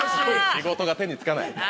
仕事が手につかない。